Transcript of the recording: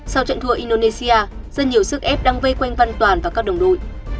sau trận thua indonesia rất nhiều sức ép đang vây quanh văn toàn và các đồng đội